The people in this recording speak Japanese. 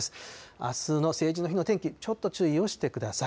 あすの成人の日の天気、ちょっと注意をしてください。